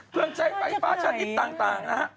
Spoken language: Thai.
เครื่องใช้ไฟฟ้าชนิดต่างนะฮะ